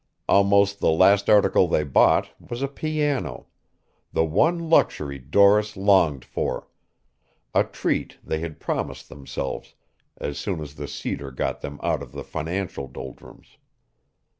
Almost the last article they bought was a piano, the one luxury Doris longed for, a treat they had promised themselves as soon as the cedar got them out of the financial doldrums.